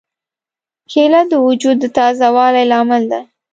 کېله د وجود د تازه والي لامل ده.